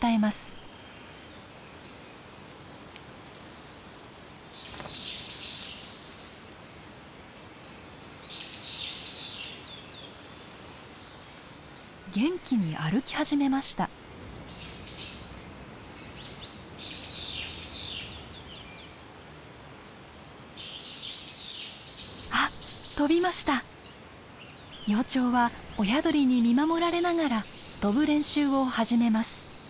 幼鳥は親鳥に見守られながら飛ぶ練習を始めます。